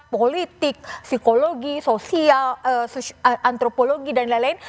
politik psikologi sosial antropologi dan lain lain